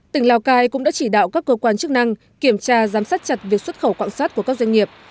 tỉnh lào cai cũng đã chỉ đạo các cơ quan chức năng kiểm tra giám sát chặt việc xuất khẩu quạng sắt của các doanh nghiệp